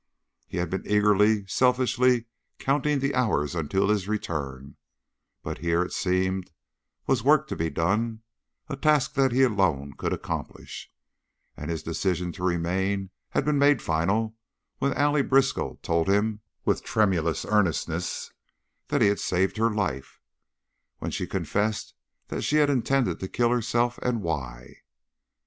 He had been eagerly, selfishly, counting the hours until his return, but here, it seemed, was work to be done, a task that he alone could accomplish, and his decision to remain had been made final when Allie Briskow told him with tremulous earnestness that he had saved her life when she confessed that she had intended to kill herself, and why.